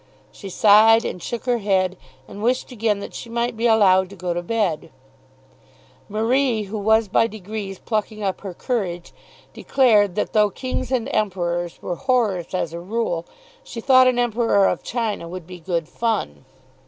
She sighed and shook her head, and wished again that she might be allowed to go to bed. Marie, who was by degrees plucking up her courage, declared that though kings and emperors were horrors as a rule, she thought an Emperor of China would be good fun.